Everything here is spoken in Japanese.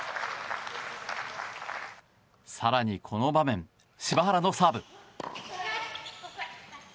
更に、この場面柴原のサーブ。